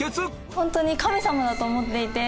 本当に神様だと思っていて。